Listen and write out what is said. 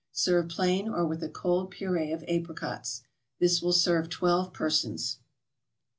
Serve plain or with a cold Purée of Apricots. This will serve twelve persons.